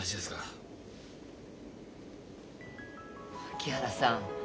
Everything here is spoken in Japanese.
木原さん